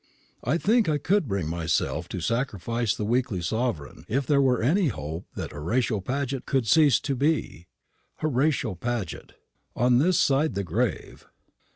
I think I could bring myself to sacrifice the weekly sovereign, if there were any hope that Horatio Paget could cease to be Horatio Paget, on this side the grave.